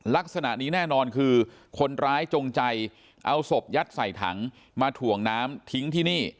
ลักษณะนี้แน่นอนคือคนร้ายจงใจเอาศพยัดใส่ถังมาถ่วงน้ำทิ้งที่นี่